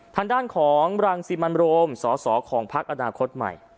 ทางด้านของรังสิมันโรมสสของพักอนาคตใหม่